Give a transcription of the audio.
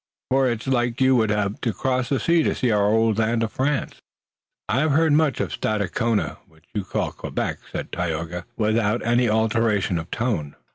For its like you would have to cross the sea to our old land of France." "I have heard much of Stadacona, which you call Quebec," said Tayoga, without any alteration of tone.